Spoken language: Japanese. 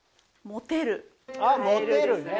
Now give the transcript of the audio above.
「モテる」ね。